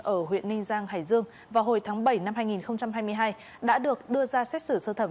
ở huyện ninh giang hải dương vào hồi tháng bảy năm hai nghìn hai mươi hai đã được đưa ra xét xử sơ thẩm